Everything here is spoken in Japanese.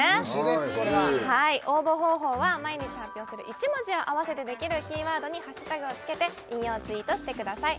これは応募方法は毎日発表する１文字を合わせてできるキーワードに＃をつけて引用ツイートしてください